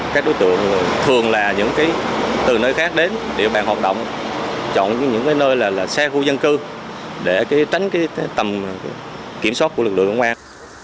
các đối tượng thường là những từ nơi khác đến địa bàn hoạt động chọn những nơi xe khu dân cư để tránh tầm kiểm soát của lực lượng công an